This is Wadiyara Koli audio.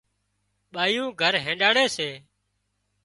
ٻايُون گھر هينڏاڙي سي